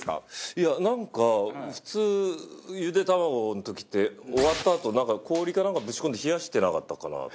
いやなんか普通ゆで卵の時って終わったあとなんか氷かなんかぶち込んで冷やしてなかったかなと。